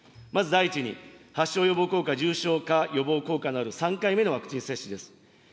まず第１に、発症予防効果、重症化予防効果のある３回目のワクチン接種です。